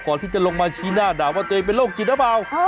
ก่อนที่จะลงมาชี้หน้าด่าว่าตัวเองเป็นโรคจิตหรือเปล่า